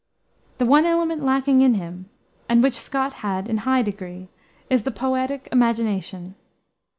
The one element lacking in him and which Scott had in a high degree is the poetic imagination.